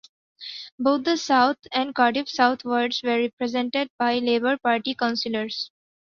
Both the South and Cardiff South wards were represented by Labour Party councillors.